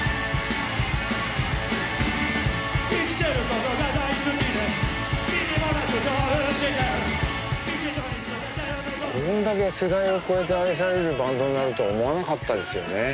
こんだけ世代を超えて愛されるバンドになるとは思わなかったですよね。